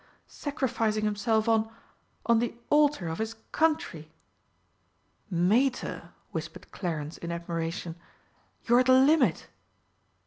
sacrificing himself on on the altar of his country!" "Mater!" whispered Clarence in admiration, "you're the limit!"